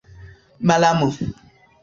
malamo